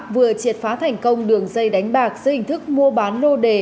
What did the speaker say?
vừa triệt phá thành công đường dây đánh bạc dưới hình thức mua bán lô đề